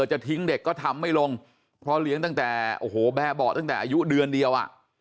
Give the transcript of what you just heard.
จะทิ้งเด็กก็ทำไม่ลงเพราะเลี้ยงตั้งแต่แบบอตั้งแต่อายุเดือนเดียว